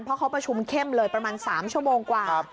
เพราะเขาประชุมเข้มเลยประมาณ๓ชั่วโมงกว่า